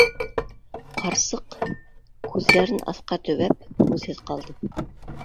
- Ҡарсыҡ, күҙҙәрен аҫҡа төбәп, һүҙһеҙ ҡалды.